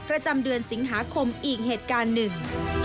ประจำเดือนสิงหาคมอีกเหตุการณ์หนึ่ง